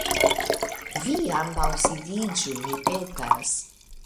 Vi ambaŭ sidiĝu, mi petas.